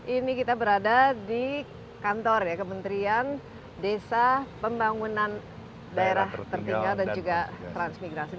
ini kita berada di kantor ya kementerian desa pembangunan daerah tertinggal dan juga transmigrasi